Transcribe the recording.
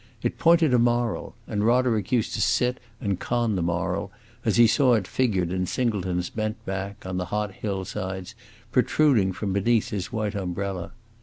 It pointed a moral, and Roderick used to sit and con the moral as he saw it figured in Singleton's bent back, on the hot hill sides, protruding from beneath his white umbrella.